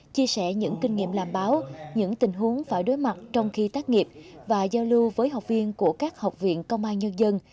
chia sẻ những kinh nghiệm làm báo những tình huống phải đối mặt trong khi tác nghiệp và giao lưu với học viên của các học viện công an nhân dân